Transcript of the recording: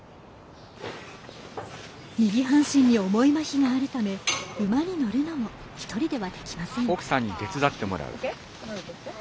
右半身に重いまひがあるため馬に乗るのも１人ではできません。